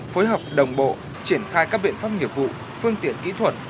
phối hợp đồng bộ triển khai các biện pháp nghiệp vụ phương tiện kỹ thuật